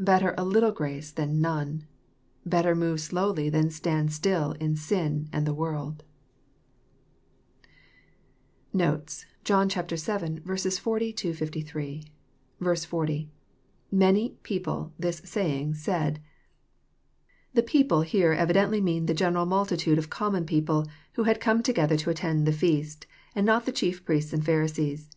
Better a little grace than none I Better move slowly than stand still in sin and the world I Notes. John VII. 40—63. 40. — IMany... people,.. this aayingt said,"] The "people" here evi dently mean the general multitude of common people, who had come together to attend the feast, and not the chief priestn and Pharisees.